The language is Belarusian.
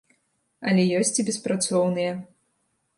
Але ёсць і беспрацоўныя.